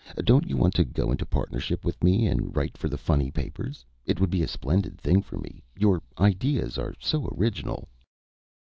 "Don't you want to go into partnership with me and write for the funny papers? It would be a splendid thing for me your ideas are so original."